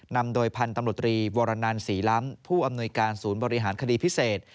นำโดยพันธุ์ตำรวจตรีวรนันศรีล้ำผู้อำนวยการศูนย์บริหารคดีพิเศษ